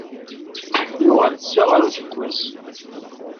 Uɣal-d ssya ɣer useggas!